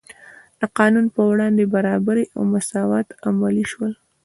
د قانون په وړاندې برابري او مساوات عملي شول.